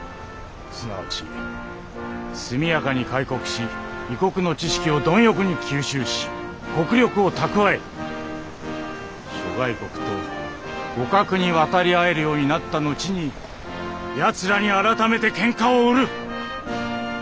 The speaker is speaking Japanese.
すなわち速やかに開国し異国の知識を貪欲に吸収し国力を蓄え諸外国と互角に渡り合えるようになった後に奴らに改めて喧嘩を売る！